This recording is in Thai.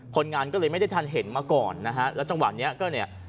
คนงานก็เลยไม่ได้ทันเห็นมาก่อนนะฮะแล้วจังหวะเนี้ยก็เนี่ย